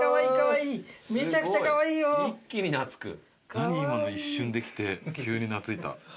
何今の一瞬で来て急に懐いた。